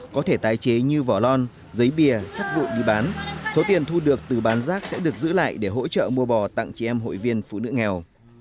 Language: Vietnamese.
có thể tái chế như vỏ lon giấy bìa sắt gội đi bán số tiền thu được từ bán rác sẽ được giữ lại để hội viên phụ nữ nghèo